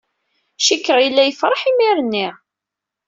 Cikkeɣ yella yefṛeḥ imir-nni.